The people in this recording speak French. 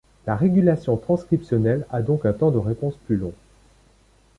La régulation transcriptionnelle a donc un temps de réponse plus long.